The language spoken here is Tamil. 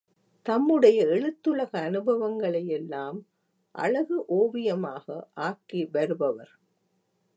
தம்முடைய எழுத்துலக அனுபவங்களையெல்லாம் அழகு ஓவியமாக ஆக்கி வருபவர்.